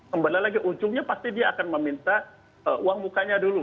kembali lagi ujungnya pasti dia akan meminta uang mukanya dulu